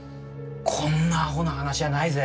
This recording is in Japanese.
こんなアホな話はないぜ。